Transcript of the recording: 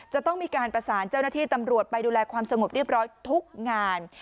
จะต้องมีการประสานเจ้าหน้าที่ตำรวจไปดูแลความสงบเรียบร้อยทุกงาน